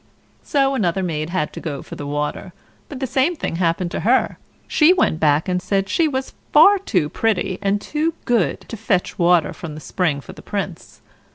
So another maid had to go for the water, but the same thing happened to her; she went back and said she was far too pretty and too good to fetch water from the spring for the Prince.